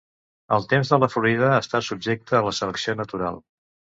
El temps de la florida està subjecte a la selecció natural.